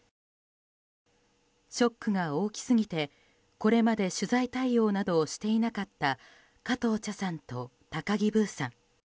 ショックが大きすぎてこれまで取材対応などをしていなかった加藤茶さんと高木ブーさん。